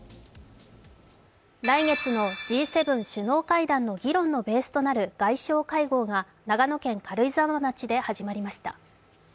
来月Ｇ７首脳会議の議論のベースとなる外相会合が長野県軽井沢町で始まりました。